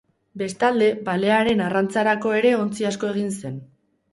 Bestalde, balearen arrantzarako ere ontzi asko egin zen.